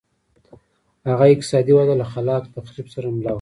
هغه اقتصادي وده له خلاق تخریب سره مله وه.